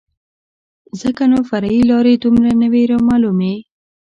ځکه نو فرعي لارې دومره نه وې رامعلومې.